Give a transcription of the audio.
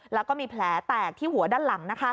แล้วก็มีแผลแตกที่หัวด้านหลัง